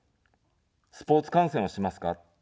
スポーツ観戦をしますか。